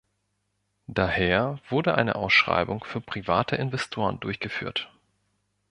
Daher wurde eine Ausschreibung für private Investoren durchgeführt.